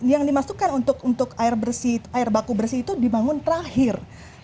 yang dimasukkan untuk air baku bersih itu dibangun terakhir